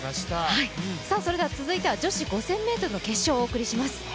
それでは続いては女子５０００ｍの決勝をお送りします。